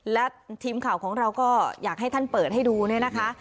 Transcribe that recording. และทีมข่าวของเราก็อยากให้ท่านเปิดให้ดูเนี่ยนะคะ